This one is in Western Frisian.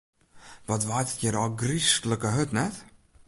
Wat waait it hjir ôfgryslike hurd, net?